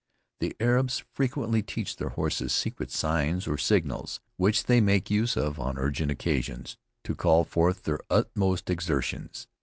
The Arabs frequently teach their horses secret signs or signals, which they make use of on urgent occasions to call forth their utmost exertions.